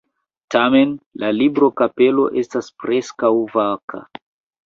Tamen, la libro-kapelo estas preskaŭ vaka.